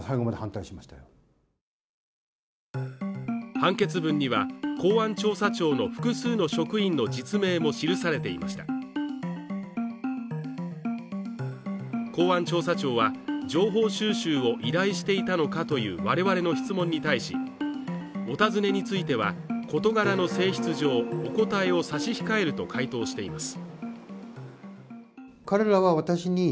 判決文には、公安調査庁の複数の職員の実名も記されていました公安調査庁は情報収集を依頼していたのかという我々の質問に対しお尋ねについては、事柄の性質上、お答えを差し控えると回答しています。